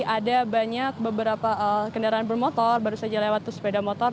ada banyak beberapa kendaraan bermotor baru saja lewat sepeda motor